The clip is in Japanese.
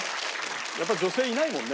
やっぱ女性いないもんね。